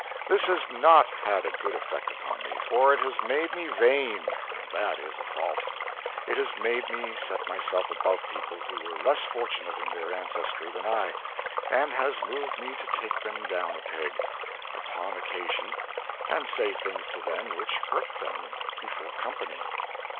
This has not had a good effect upon me, for it has made me vain, and that is a fault. It has made me set myself above people who were less fortunate in their ancestry than I, and has moved me to take them down a peg, upon occasion, and say things to them which hurt them before company.